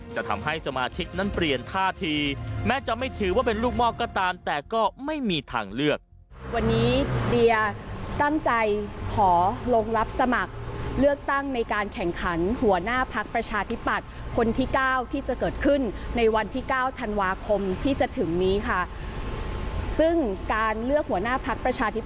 จะทำให้สมาชิกนั้นเปลี่ยนท่าทีแม้จะไม่ถือว่าเป็นลูกมอบก็ตามแต่ก็ไม่มีทางเลือกวันนี้